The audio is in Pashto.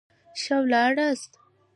ښه ولاړاست.